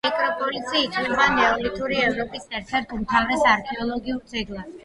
ნეკროპოლისი ითვლება ნეოლითური ევროპის ერთ-ერთ უმთავრეს არქეოლოგიურ ძეგლად.